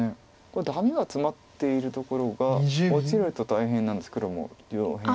これダメがツマっているところが落ちると大変なんです黒も上辺。